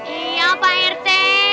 iya pak rt